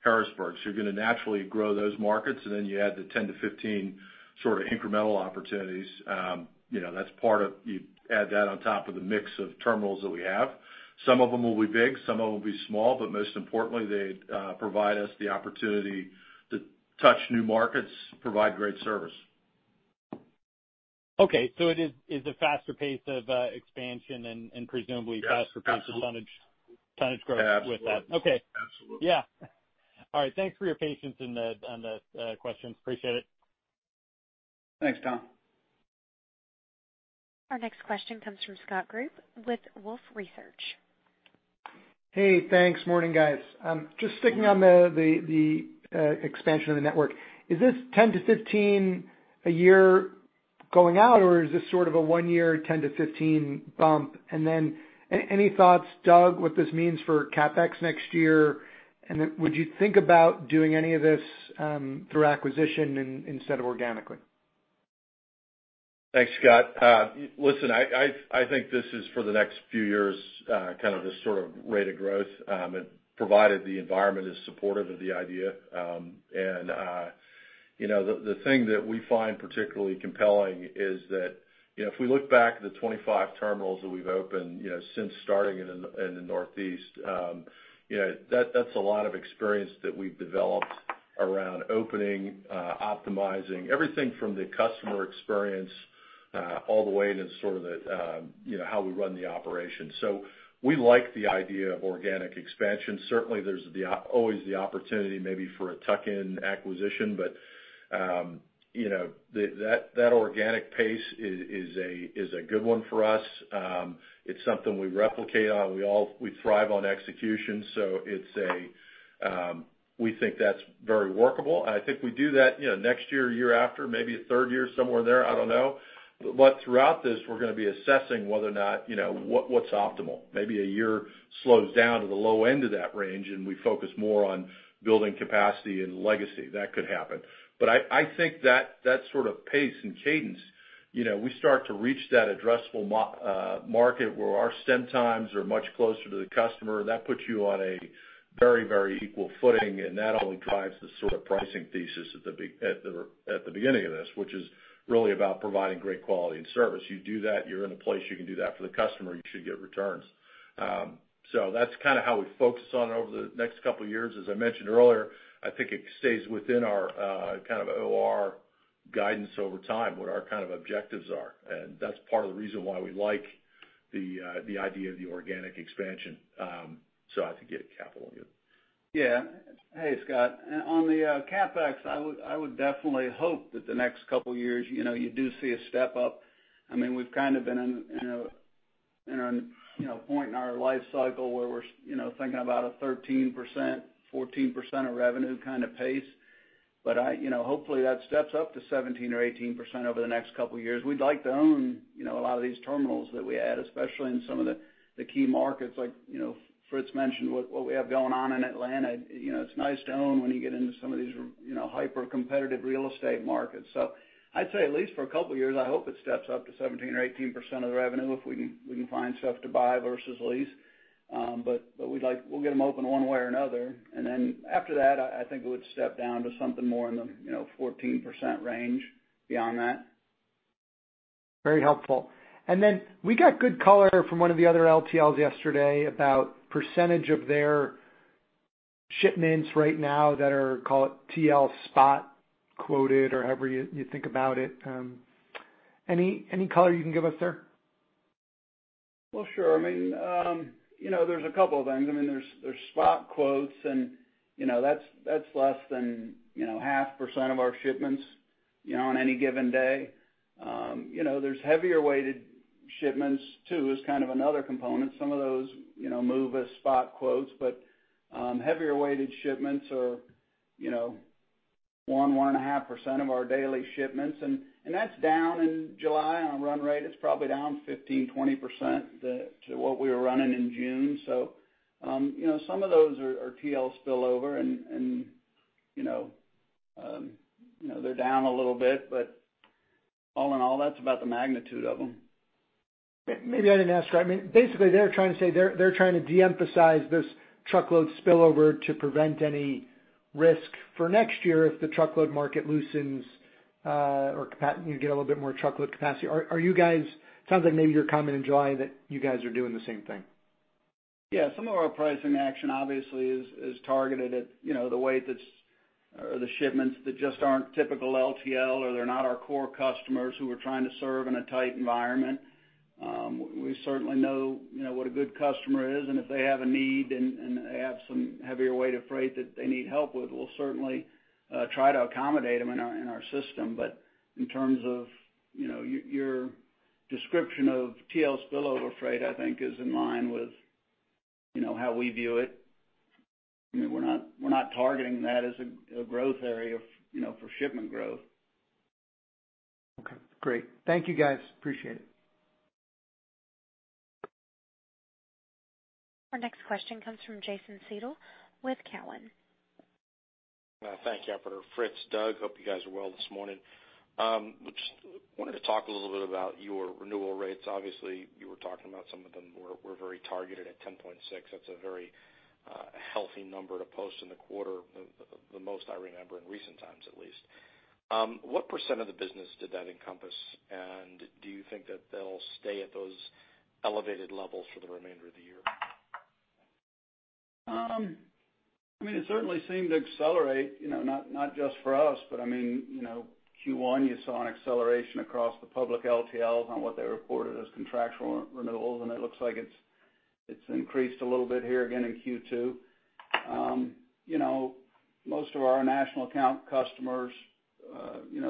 Harrisburg. You're going to naturally grow those markets, and then you add the 10 to 15 sort of incremental opportunities. You add that on top of the mix of terminals that we have. Some of them will be big, some of them will be small, but most importantly, they provide us the opportunity to touch new markets, provide great service. Okay. It is a faster pace of expansion and presumably faster pace of tonnage growth with that. Absolutely. Okay. Yeah. All right. Thanks for your patience on the questions. Appreciate it. Thanks, Tom. Our next question comes from Scott Group with Wolfe Research. Hey, thanks. Morning, guys. Just sticking on the expansion of the network. Is this 10 to 15 a year going out, or is this sort of a one-year 10 to 15 bump? Any thoughts, Doug, what this means for CapEx next year? Would you think about doing any of this through acquisition instead of organically? Thanks, Scott. Listen, I think this is for the next few years kind of the sort of rate of growth, provided the environment is supportive of the idea. The thing that we find particularly compelling is that if we look back at the 25 terminals that we've opened since starting in the Northeast, that's a lot of experience that we've developed around opening, optimizing everything from the customer experience all the way into how we run the operation. We like the idea of organic expansion. Certainly, there's always the opportunity maybe for a tuck-in acquisition, but that organic pace is a good one for us. It's something we replicate on. We thrive on execution, so we think that's very workable, and I think we do that next year or year after, maybe a third year, somewhere in there, I don't know. Throughout this, we're going to be assessing what's optimal. Maybe a year slows down to the low end of that range, and we focus more on building capacity and legacy. That could happen. I think that sort of pace and cadence, we start to reach that addressable market where our stem times are much closer to the customer. That puts you on a very equal footing, and that only drives the sort of pricing thesis at the beginning of this, which is really about providing great quality and service. You do that, you're in a place you can do that for the customer, you should get returns. That's kind of how we focus on over the next couple of years. As I mentioned earlier, I think it stays within our kind of OR guidance over time, what our kind of objectives are. That's part of the reason why we like the idea of the organic expansion. I have to get to Capital on you. Yeah. Hey, Scott. On the CapEx, I would definitely hope that the next couple of years, you do see a step up. We've kind of been in a point in our life cycle where we're thinking about a 13%, 14% of revenue kind of pace. Hopefully, that steps up to 17% or 18% over the next couple of years. We'd like to own a lot of these terminals that we add, especially in some of the key markets like Fritz mentioned, what we have going on in Atlanta. It's nice to own when you get into some of these hyper-competitive real estate markets. I'd say at least for a couple of years, I hope it steps up to 17% or 18% of the revenue if we can find stuff to buy versus lease. We'll get them open one way or another. After that, I think it would step down to something more in the 14% range beyond that. Very helpful. We got good color from one of the other LTLs yesterday about percentage of their shipments right now that are, call it, TL spot quoted or however you think about it. Any color you can give us there? Well, sure. There's a couple of things. There's spot quotes and that's less than 0.5% of our shipments on any given day. There's heavier weighted shipments, too, is kind of another component. Some of those move as spot quotes, but heavier weighted shipments are 1%, 1.5% of our daily shipments, and that's down in July on a run rate. It's probably down 15%, 20% to what we were running in June. Some of those are TL spillover, and they're down a little bit, but all in all, that's about the magnitude of them. Maybe I didn't ask right. Basically they're trying to say they're trying to de-emphasize this truckload spillover to prevent any risk for next year if the truckload market loosens or you get a little bit more truckload capacity. Sounds like maybe your comment in July that you guys are doing the same thing. Yeah. Some of our pricing action obviously is targeted at the weight that's or the shipments that just aren't typical LTL, or they're not our core customers who we're trying to serve in a tight environment. We certainly know what a good customer is, and if they have a need and they have some heavier weight of freight that they need help with, we'll certainly try to accommodate them in our system. In terms of your description of TL spillover freight, I think is in line with how we view it. We're not targeting that as a growth area for shipment growth. Okay, great. Thank you guys. Appreciate it. Our next question comes from Jason Seidl with Cowen. Thank you, operator. Fritz, Doug, hope you guys are well this morning. Just wanted to talk a little bit about your renewal rates. Obviously, you were talking about some of them were very targeted at 10.6. That's a very healthy number to post in the quarter, the most I remember in recent times, at least. What percent of the business did that encompass, and do you think that they'll stay at those elevated levels for the remainder of the year? It certainly seemed to accelerate, not just for us, but Q1 you saw an acceleration across the public LTLs on what they reported as contractual renewals, and it looks like it's increased a little bit here again in Q2. Most of our national account customers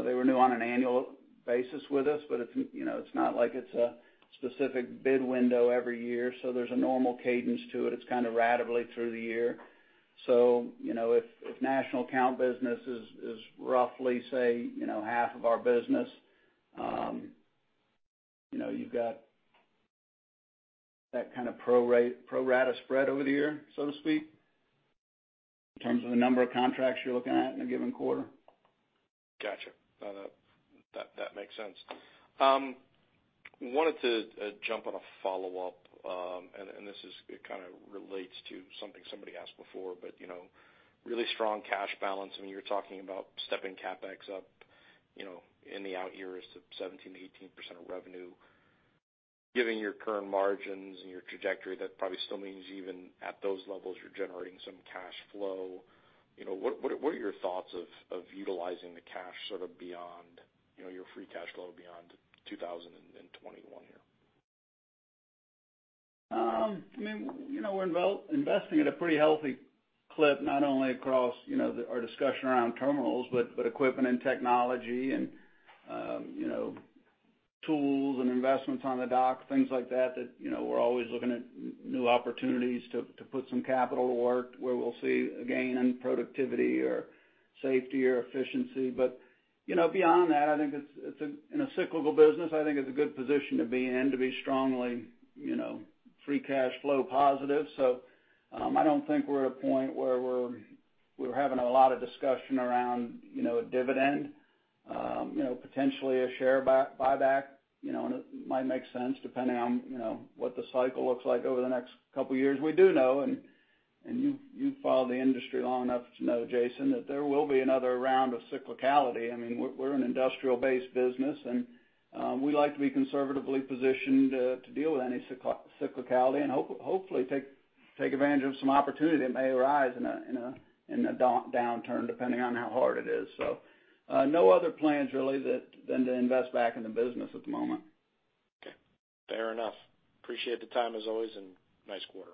they renew on an annual basis with us, but it's not like it's a specific bid window every year. There's a normal cadence to it. It's kind of ratably through the year. If national account business is roughly, say, half of our business, you've got that kind of pro rata spread over the year, so to speak, in terms of the number of contracts you're looking at in a given quarter. Got you. That makes sense. I wanted to jump on a follow-up. This kind of relates to something somebody asked before, but really strong cash balance. You're talking about stepping CapEx up in the out years to 17%-18% of revenue. Given your current margins and your trajectory, that probably still means even at those levels, you're generating some cash flow. What are your thoughts of utilizing the cash sort of beyond your free cash flow beyond 2021 here? We're investing at a pretty healthy clip, not only across our discussion around terminals, but equipment and technology and tools and investments on the dock, things like that we're always looking at new opportunities to put some capital to work where we'll see a gain in productivity or safety or efficiency. Beyond that, in a cyclical business, I think it's a good position to be in to be strongly free cash flow positive. I don't think we're at a point where we're having a lot of discussion around a dividend. Potentially a share buyback might make sense depending on what the cycle looks like over the next two years. We do know, and you've followed the industry long enough to know, Jason, that there will be another round of cyclicality. We're an industrial-based business, and we like to be conservatively positioned to deal with any cyclicality and hopefully take advantage of some opportunity that may arise in a downturn, depending on how hard it is. No other plans really than to invest back in the business at the moment. Okay. Fair enough. Appreciate the time as always, and nice quarter.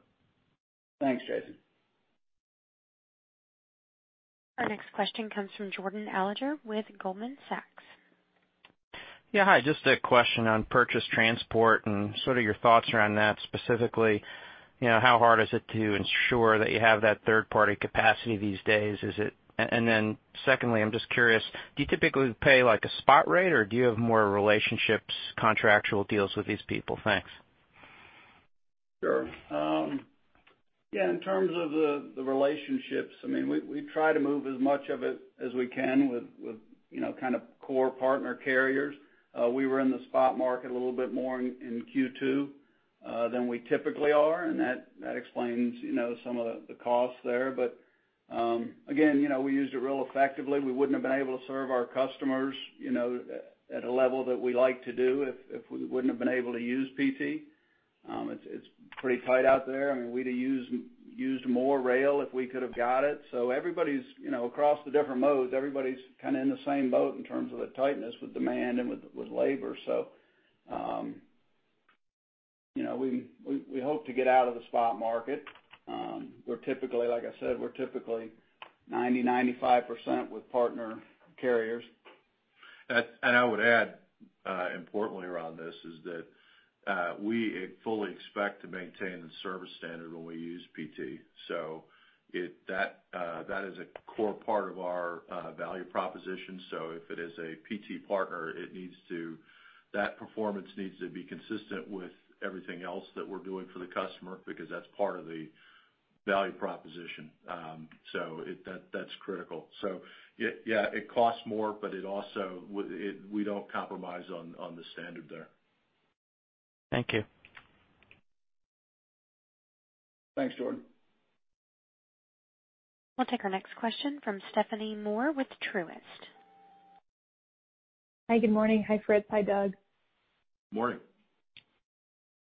Thanks, Jason. Our next question comes from Jordan Alliger with Goldman Sachs. Yeah. Hi. Just a question on purchase transport and sort of your thoughts around that. Specifically, how hard is it to ensure that you have that third-party capacity these days? Secondly, I'm just curious, do you typically pay a spot rate, or do you have more relationships, contractual deals with these people? Thanks. Sure. Yeah. In terms of the relationships, we try to move as much of it as we can with kind of core partner carriers. We were in the spot market a little bit more in Q2 than we typically are, and that explains some of the costs there. Again, we used it real effectively. We wouldn't have been able to serve our customers at a level that we like to do if we wouldn't have been able to use PT. It's pretty tight out there. We'd have used more rail if we could've got it. Across the different modes, everybody's kind of in the same boat in terms of the tightness with demand and with labor. We hope to get out of the spot market. Like I said, we're typically 90%, 95% with partner carriers. I would add importantly around this is that we fully expect to maintain the service standard when we use PT. That is a core part of our value proposition. If it is a PT partner, that performance needs to be consistent with everything else that we're doing for the customer because that's part of the value proposition. That's critical. Yeah, it costs more, but we don't compromise on the standard there. Thank you. Thanks, Jordan. We'll take our next question from Stephanie Moore with Truist. Hi, good morning. Hi, Fred. Hi, Doug. Morning.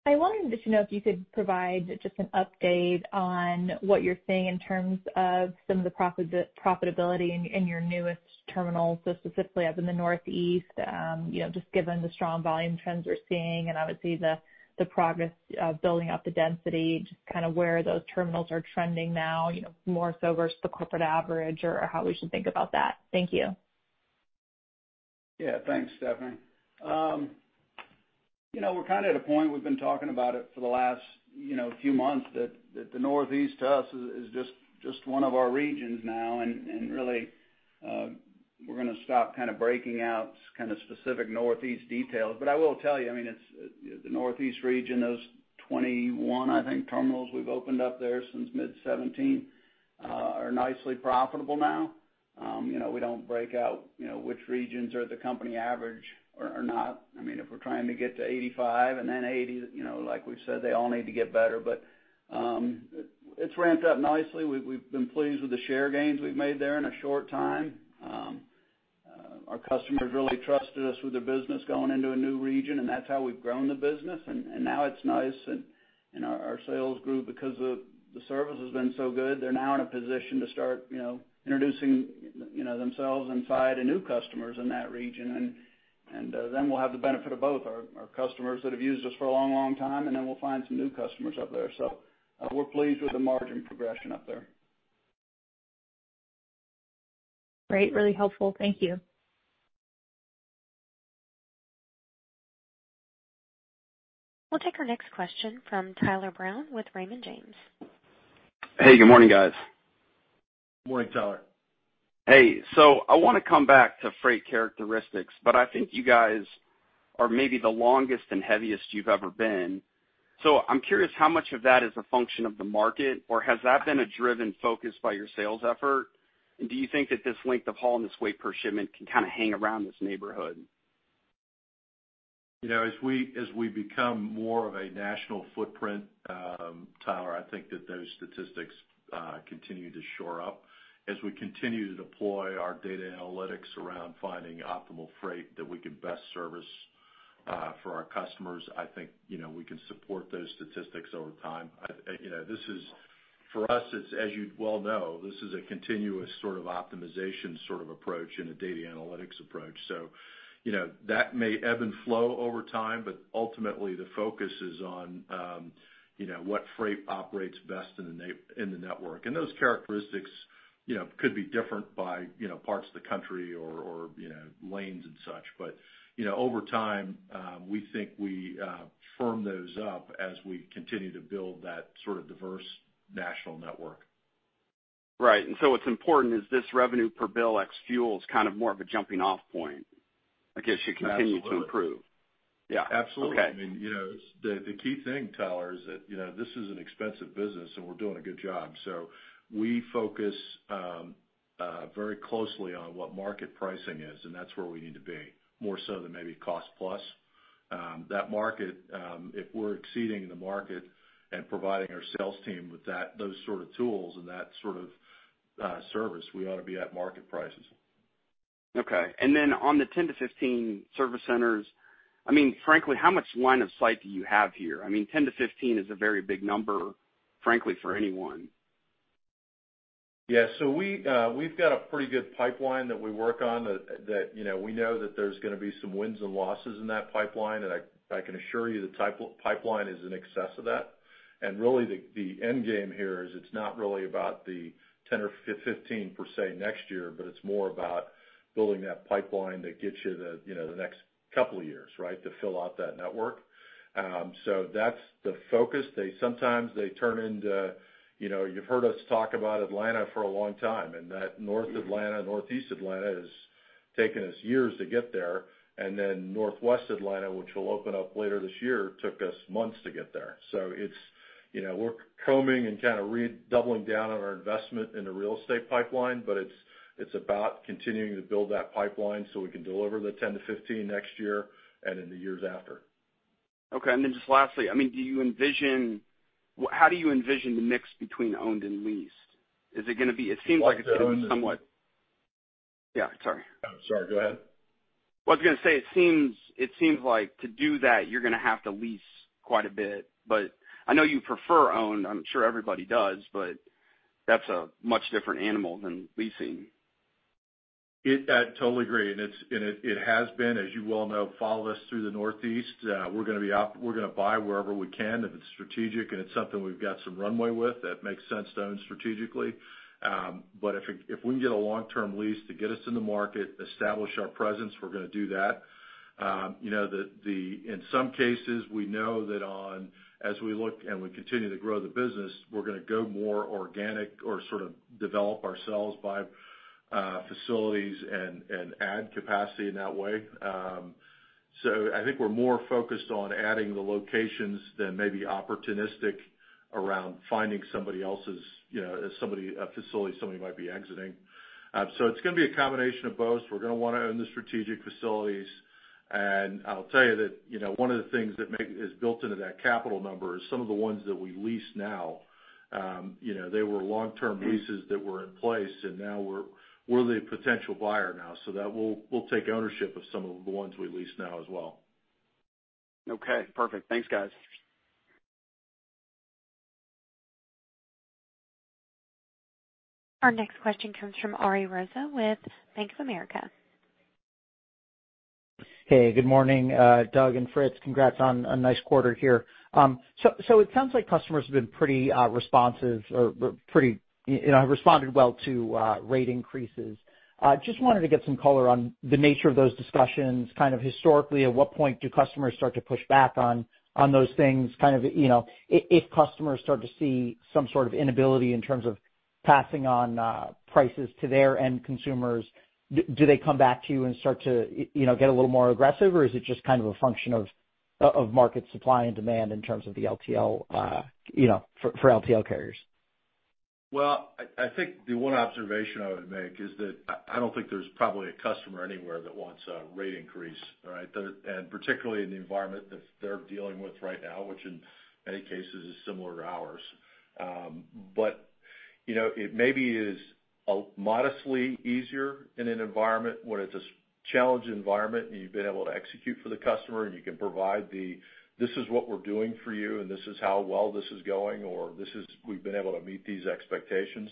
I wanted to know if you could provide just an update on what you're seeing in terms of some of the profitability in your newest terminals, specifically up in the Northeast, just given the strong volume trends we're seeing, and obviously the progress of building up the density, just kind of where those terminals are trending now more so versus the corporate average, or how we should think about that. Thank you. Thanks, Stephanie. We're kind of at a point, we've been talking about it for the last few months, that the Northeast to us is just one of our regions now. We're going to stop kind of breaking out kind of specific Northeast details. I will tell you, the Northeast region, those 21, I think, terminals we've opened up there since mid 2017 are nicely profitable now. We don't break out which regions are at the company average or not. If we're trying to get to 85 then 80, like we've said, they all need to get better. It's ramped up nicely. We've been pleased with the share gains we've made there in a short time. Our customers really trusted us with their business going into a new region. That's how we've grown the business. Now it's nice, and our sales group, because the service has been so good, they're now in a position to start introducing themselves inside to new customers in that region. Then we'll have the benefit of both our customers that have used us for a long, long time, and then we'll find some new customers up there. We're pleased with the margin progression up there. Great. Really helpful. Thank you. We'll take our next question from Tyler Brown with Raymond James. Hey, good morning, guys. Morning, Tyler. Hey. I want to come back to freight characteristics, but I think you guys are maybe the longest and heaviest you've ever been. I'm curious how much of that is a function of the market, or has that been a driven focus by your sales effort? Do you think that this length of haul and this weight per shipment can kind of hang around this neighborhood? As we become more of a national footprint, Tyler, I think that those statistics continue to shore up. As we continue to deploy our data analytics around finding optimal freight that we can best service for our customers, I think, we can support those statistics over time. For us, as you well know, this is a continuous optimization approach and a data analytics approach. That may ebb and flow over time, but ultimately the focus is on what freight operates best in the network. Those characteristics could be different by parts of the country or lanes and such. Over time, we think we firm those up as we continue to build that sort of diverse national network. Right. What's important is this revenue per bill ex fuel is more of a jumping off point, I guess, should continue to improve. Absolutely. Yeah. Okay. Absolutely. The key thing, Tyler, is that this is an expensive business and we're doing a good job. We focus very closely on what market pricing is, and that's where we need to be, more so than maybe cost plus. If we're exceeding the market and providing our sales team with those sort of tools and that sort of service, we ought to be at market prices. Okay. On the 10 to 15 service centers, frankly, how much line of sight do you have here? 10 to 15 is a very big number, frankly, for anyone. Yeah. We've got a pretty good pipeline that we work on that we know that there's going to be some wins and losses in that pipeline, and I can assure you the pipeline is in excess of that. Really the end game here is it's not really about the 10 or 15 per se next year, but it's more about building that pipeline that gets you the next couple of years to fill out that network. That's the focus. Sometimes they turn into, you've heard us talk about Atlanta for a long time, and that North Atlanta, Northeast Atlanta has taken us years to get there. Then Northwest Atlanta, which will open up later this year, took us months to get there. We're combing and kind of redoubling down on our investment in the real estate pipeline, but it's about continuing to build that pipeline so we can deliver the 10-15 next year and in the years after. Okay. Just lastly, how do you envision the mix between owned and leased? It seems like it's going to be somewhat- Well, I would say- Yeah, sorry. Sorry, go ahead. Well, I was going to say, it seems like to do that, you're going to have to lease quite a bit, but I know you prefer owned. I'm sure everybody does, but that's a much different animal than leasing. I totally agree. It has been, as you well know, follow us through the Northeast. We're going to buy wherever we can if it's strategic and it's something we've got some runway with that makes sense to own strategically. If we can get a long-term lease to get us in the market, establish our presence, we're going to do that. In some cases, we know that as we look and we continue to grow the business, we're going to go more organic or sort of develop ourselves by facilities and add capacity in that way. I think we're more focused on adding the locations than maybe opportunistic around finding a facility somebody might be exiting. It's going to be a combination of both. We're going to want to own the strategic facilities. I'll tell you that one of the things that is built into that capital number is some of the ones that we lease now. They were long-term leases that were in place, and now we're the potential buyer now. That we'll take ownership of some of the ones we lease now as well. Okay, perfect. Thanks, guys. Our next question comes from Ari Rosa with Bank of America. Hey, good morning, Doug and Fritz. Congrats on a nice quarter here. It sounds like customers have been pretty responsive or have responded well to rate increases. Just wanted to get some color on the nature of those discussions kind of historically. At what point do customers start to push back on those things? If customers start to see some sort of inability in terms of passing on prices to their end consumers, do they come back to you and start to get a little more aggressive, or is it just a function of market supply and demand in terms of the LTL for LTL carriers? Well, I think the one observation I would make is that I don't think there's probably a customer anywhere that wants a rate increase, right. Particularly in the environment that they're dealing with right now, which in many cases is similar to ours. It maybe is modestly easier in an environment when it's a challenged environment, and you've been able to execute for the customer, and you can provide the, This is what we're doing for you, and this is how well this is going, or, We've been able to meet these expectations.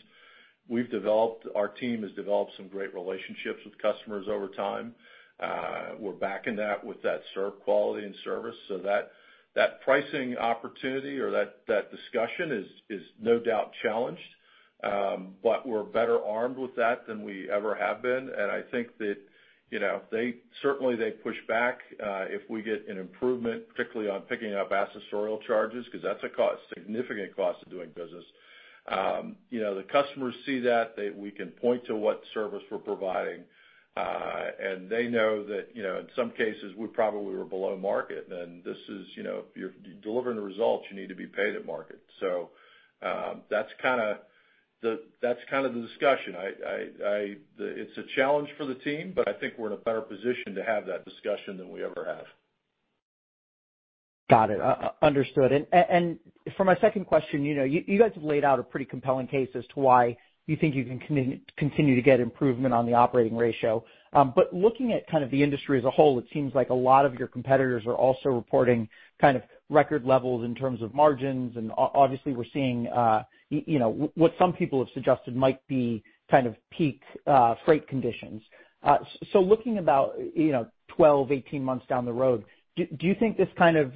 Our team has developed some great relationships with customers over time. We're backing that with that serve quality and service so that pricing opportunity or that discussion is no doubt challenged. We're better armed with that than we ever have been. I think that certainly they push back, if we get an improvement, particularly on picking up accessorial charges, because that's a significant cost of doing business. The customers see that, we can point to what service we're providing. They know that in some cases we probably were below market, and if you're delivering the results you need to be paid at market. That's kind of the discussion. It's a challenge for the team, but I think we're in a better position to have that discussion than we ever have. Got it. Understood. For my second question, you guys have laid out a pretty compelling case as to why you think you can continue to get improvement on the operating ratio. Looking at kind of the industry as a whole, it seems like a lot of your competitors are also reporting record levels in terms of margins. Obviously we're seeing what some people have suggested might be peak freight conditions. Looking about 12, 18 months down the road, do you think this kind of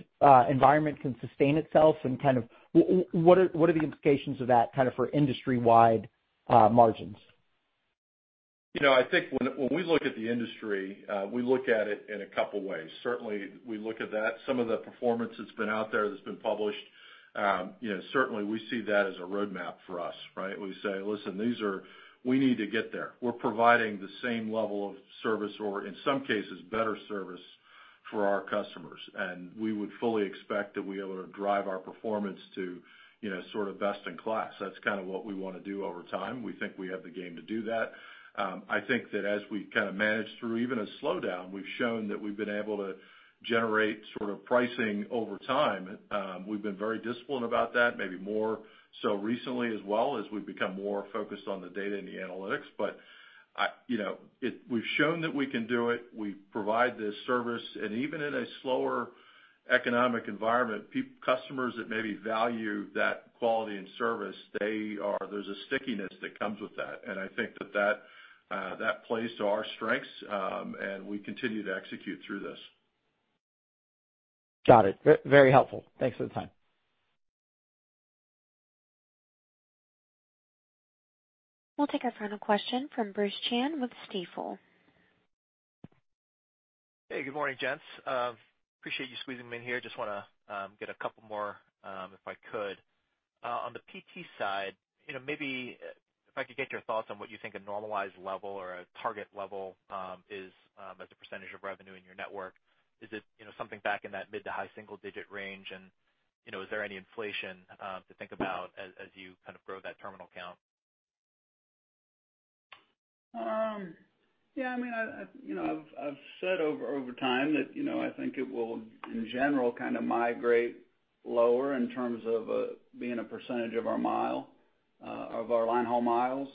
environment can sustain itself and what are the implications of that for industry-wide margins? I think when we look at the industry, we look at it in a couple of ways. Certainly, we look at that. Some of the performance that's been out there that's been published, certainly we see that as a roadmap for us, right? We say, Listen, we need to get there. We're providing the same level of service, or in some cases better service for our customers. We would fully expect that we are able to drive our performance to sort of best in class. That's what we want to do over time. We think we have the game to do that. I think that as we manage through even a slowdown, we've shown that we've been able to generate pricing over time. We've been very disciplined about that, maybe more so recently as well, as we've become more focused on the data and the analytics. We've shown that we can do it. We provide this service, and even in a slower economic environment, customers that maybe value that quality and service, there's a stickiness that comes with that. I think that plays to our strengths, and we continue to execute through this. Got it. Very helpful. Thanks for the time. We'll take our final question from Bruce Chan with Stifel. Hey, good morning, gents. Appreciate you squeezing me in here. Just want to get two more if I could. On the PT side, maybe if I could get your thoughts on what you think a normalized level or a target level is as a percentage of revenue in your network. Is it something back in that mid-to-high single-digit range? Is there any inflation to think about as you grow that terminal count? Yeah. I've said over time that I think it will, in general, migrate lower in terms of being a percentage of our line haul miles.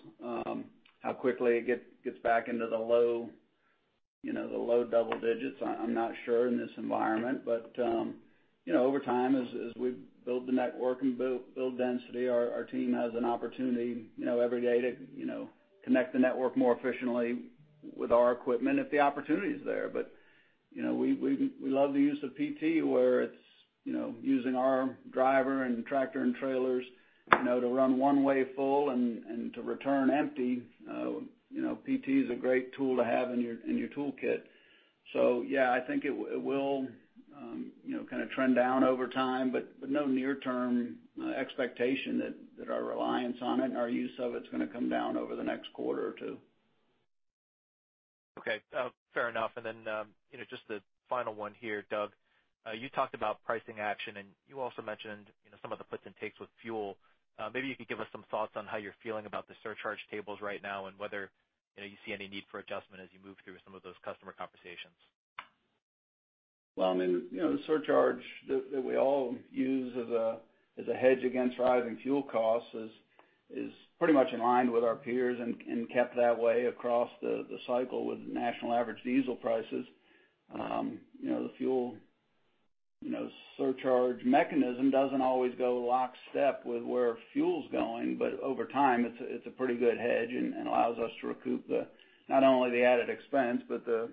How quickly it gets back into the low double digits, I am not sure in this environment. Over time, as we build the network and build density, our team has an opportunity every day to connect the network more efficiently with our equipment if the opportunity is there. We love the use of PT where it is using our driver and tractor and trailers to run one way full and to return empty. PT is a great tool to have in your toolkit. Yeah, I think it will trend down over time, but no near-term expectation that our reliance on it and our use of it is going to come down over the next quarter or two. Okay. Fair enough. Just the final one here, Doug. You talked about pricing action, and you also mentioned some of the puts and takes with fuel. Maybe you could give us some thoughts on how you're feeling about the surcharge tables right now and whether you see any need for adjustment as you move through some of those customer conversations. Well, the surcharge that we all use as a hedge against rising fuel costs is pretty much in line with our peers and kept that way across the cycle with national average diesel prices. The fuel surcharge mechanism doesn't always go lockstep with where fuel's going, but over time, it's a pretty good hedge and allows us to recoup not only the added expense, but the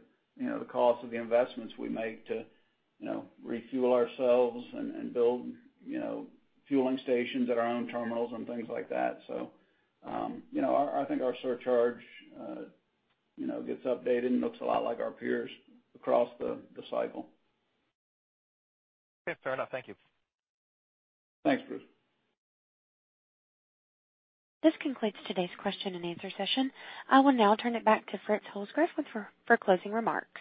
cost of the investments we make to refuel ourselves and build fueling stations at our own terminals and things like that. I think our surcharge gets updated and looks a lot like our peers across the cycle. Okay. Fair enough. Thank you. Thanks, Bruce. This concludes today's question and answer session. I will now turn it back to Frederick Holzgrefe for closing remarks.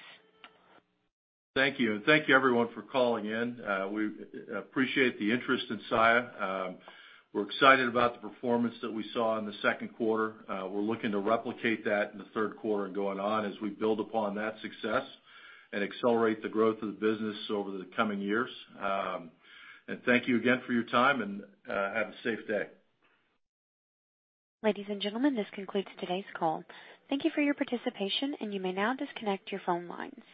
Thank you. Thank you everyone for calling in. We appreciate the interest in Saia. We're excited about the performance that we saw in the second quarter. We're looking to replicate that in the third quarter and going on as we build upon that success and accelerate the growth of the business over the coming years. Thank you again for your time, and have a safe day. Ladies and gentlemen, this concludes today's call. Thank you for your participation, and you may now disconnect your phone lines.